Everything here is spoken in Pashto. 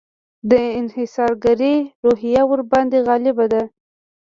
د انحصارګري روحیه ورباندې غالبه ده.